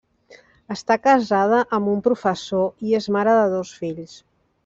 Està casada amb un professor i és mare de dos fills.